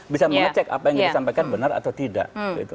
bisa mengecek apa yang disampaikan benar atau tidak